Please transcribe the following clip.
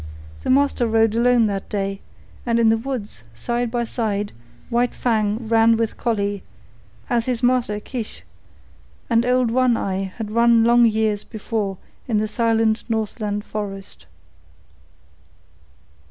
The master rode alone that day; and in the woods, side by side, White Fang ran with Collie, as his mother, Kiche, and old One Eye had run long years before in the silent Northland forest.